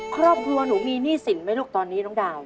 ครอบครัวหนูมีหนี้สินไหมลูกตอนนี้น้องดาว